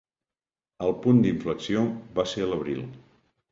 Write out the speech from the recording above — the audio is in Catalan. El punt d’inflexió va ser a l’abril.